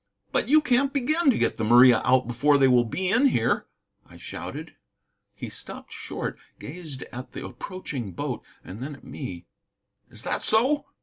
"But you can't begin to get the Maria out before they will be in here," I shouted. He stopped short, gazed at the approaching boat, and then at me. "Is that so?"